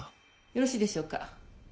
よろしいでしょうか？